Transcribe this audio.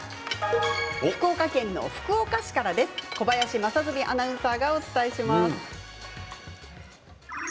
福岡県福岡市から小林将純アナウンサーがお伝えします。